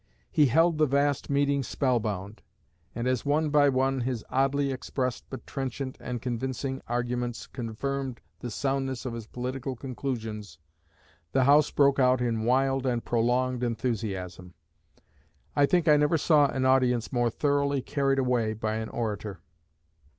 He held the vast meeting spell bound, and as one by one his oddly expressed but trenchant and convincing arguments confirmed the soundness of his political conclusions, the house broke out in wild and prolonged enthusiasm. I think I never saw an audience more thoroughly carried away by an orator."